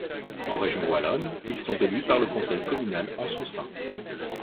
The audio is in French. En Région wallonne, ils sont élus par le conseil communal en son sein.